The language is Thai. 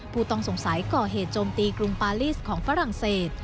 ผู้ต้องสงสัยก่อเหตุโจมตีกรุงปาลีสของฝรั่งเศส